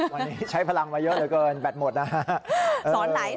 วันนี้ใช้พลังมาเยอะเหลือเกินแบตหมดนะฮะ